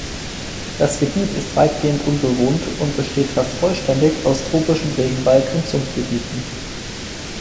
Das Gebiet ist weitgehend unbewohnt und besteht fast vollständig aus tropischem Regenwald und Sumpfgebieten.